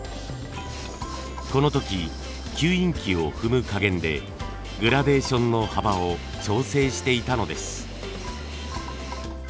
この時吸引器を踏む加減でグラデーションの幅を調整していたのです。